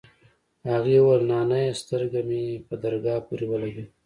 هغې وويل نانيه سترگه مې په درگاه پورې ولگېده.